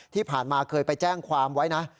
ที่ผ่านมาเคยไปแจ้งความไว้นะ